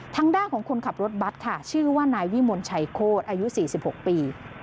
ทางด้านของคนขับรถบัตรค่ะชื่อว่านายวิมลชัยโคตรอายุ๔๖ปี